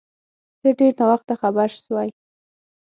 ته ډیر ناوخته خبر سوی